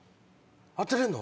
当てれんの？